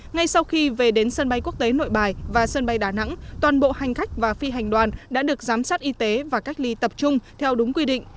ngay sau khi về đến sân bay quốc tế nội bài và sân bay đà nẵng toàn bộ hành khách và phi hành đoàn đã được giám sát y tế và cách ly tập trung theo đúng quy định